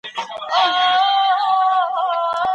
ځینې خلک د رواني فشارونو له امله زیاته غوسه ښيي.